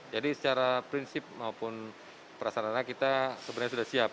jadi secara prinsip maupun perasaan anak kita sebenarnya sudah siap